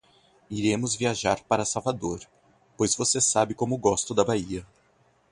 Iremos viajar para Salvador, pois você sabe como gosto da Bahia.